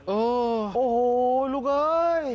โอ้โหลูกเอ้ย